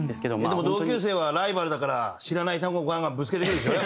でも同級生はライバルだから知らない単語ガンガンぶつけてくるでしょ？